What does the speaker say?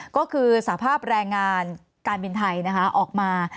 ก็คือสภาพแรงงานการบินไทยนะคะออกมา